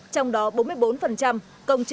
trong đó bốn mươi bốn công trình